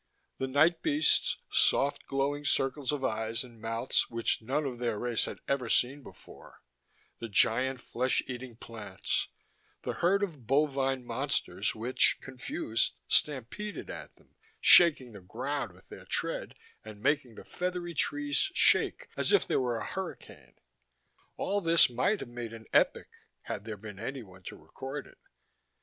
The night beasts, soft glowing circles of eyes and mouths which none of their race had ever seen before: the giant flesh eating plants: the herd of bovine monsters which, confused, stampeded at them, shaking the ground with their tread and making the feathery trees shake as if there were a hurricane: all this might have made an epic, had there been anyone to record it.